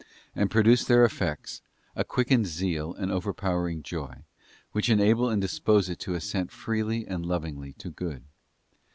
and produce their effects, a quickened zeal and overpowering joy, which enable and dispose it to assent freely and lovingly to good.